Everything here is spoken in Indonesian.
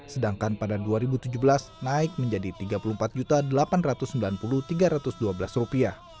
sedangkan pada dua ribu tujuh belas naik menjadi rp tiga puluh empat delapan ratus sembilan puluh tiga ratus dua belas